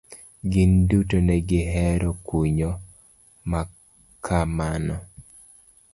Gin duto negi hero kunyo makamano.